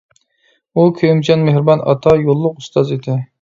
ئۇ كۆيۈمچان، مېھرىبان، ئاتا يوللۇق ئۇستاز ئىدى.